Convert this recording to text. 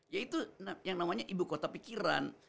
ya itu yang namanya ibu kota pikiran